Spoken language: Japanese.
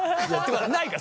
ないから！